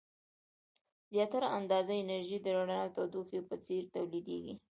زیاتره اندازه انرژي د رڼا او تودوخې په څیر تولیدیږي.